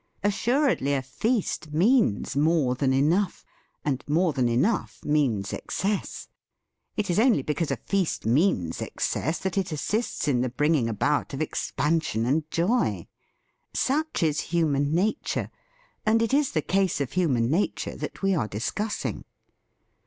Assuredly, a feast means more than enough, and more than enough means excess. It is only because a feast means excess that it assists in the bringing about of expansion and joy. Such is human nature, and it is the case of human nature that we are discussing.